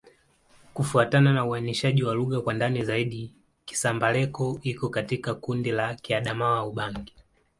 Kufuatana na uainishaji wa lugha kwa ndani zaidi, Kisamba-Leko iko katika kundi la Kiadamawa-Ubangi.